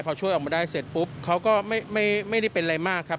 พอช่วยออกมาได้เสร็จปุ๊บเขาก็ไม่ได้เป็นอะไรมากครับ